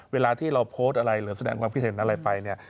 เวลาที่เราโพสต์อะไรหรือแสดงความคิดเห็นอะไรไปเนี่ย